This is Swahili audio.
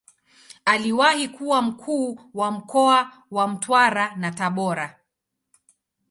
Aliwahi kuwa Mkuu wa mkoa wa Mtwara na Tabora.